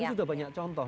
itu bisa digabungkan